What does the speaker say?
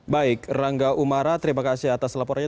baik rangga umara terima kasih atas laporannya